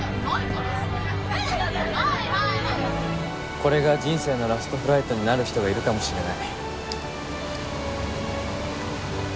これが人生のラストフライトになる人がいるかもしれない。